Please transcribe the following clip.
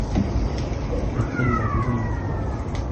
القلة ذلة